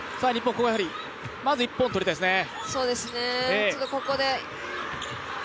ここはやはり、まず一本取りたいですね。